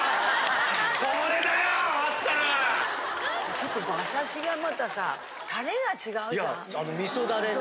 ちょっと馬刺しがまたさタレが違うじゃん？